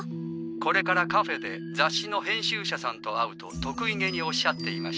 これからカフェで雑誌の編集者さんと会うと得意気におっしゃっていました。